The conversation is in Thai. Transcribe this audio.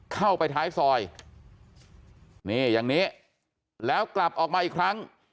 เข้าไปท้ายซอยนี่อย่างนี้แล้วกลับออกมาอีกครั้ง